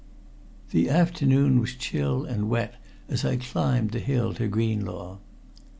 The afternoon was chill and wet as I climbed the hill to Greenlaw.